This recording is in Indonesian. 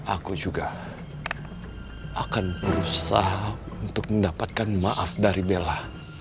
aku juga akan berusaha untuk mendapatkan maaf dari bella